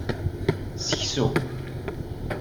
Seksu.